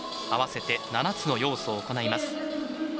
合わせて７つの要素を行います。